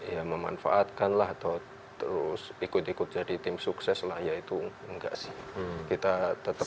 ya memanfaatkan lah atau terus ikut ikut jadi tim sukses lah ya itu enggak sih kita tetap